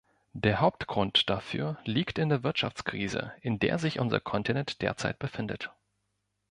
Der Hauptgrund dafür liegt in der Wirtschaftskrise, in der sich unser Kontinent derzeit befindet.